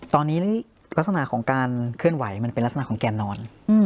ตอนนี้ลักษณะของการเคลื่อนไหวมันเป็นลักษณะของแกนนอน